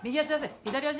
左足！